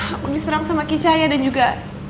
aku diserang sama kicahya dan juga